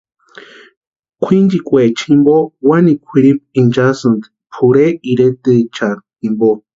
Kwʼinchikwaecha jimpo wani kwʼiripu inchasïni pʼorhe iretaecha jimpo.